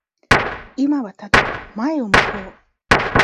今はただ前を向こう。